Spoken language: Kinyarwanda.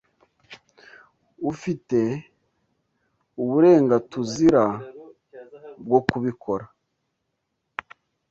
Ufite uburengaTUZIra bwo kubikora?